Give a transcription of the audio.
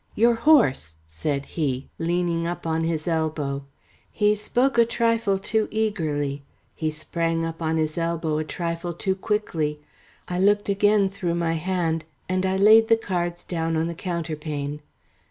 "Your horse," said he, leaning up on his elbow. He spoke a trifle too eagerly, he sprang up on his elbow a trifle too quickly. I looked again through my hand, and I laid the cards down on the counterpane.